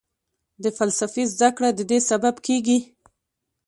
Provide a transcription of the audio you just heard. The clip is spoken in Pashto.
د فلسفې زده کړه ددې سبب کېږي.